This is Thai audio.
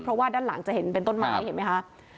เพราะว่าด้านหลังจะเห็นเป็นต้นไม้เห็นไหมคะ